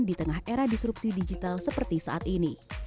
di tengah era disrupsi digital seperti saat ini